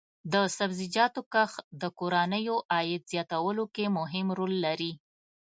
د سبزیجاتو کښت د کورنیو عاید زیاتولو کې مهم رول لري.